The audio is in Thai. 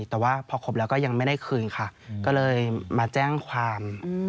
แต่ว่าพอครบแล้วก็ยังไม่ได้คืนค่ะก็เลยมาแจ้งความ